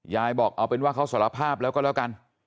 ยายบอกเอาเป็นว่าเขาสารภาพแล้วก็แล้วกัน